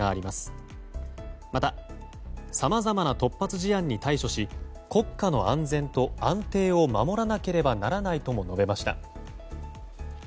また、さまざまな突発事案に対処し国家の安全と安定を守らなければならないとも述べました。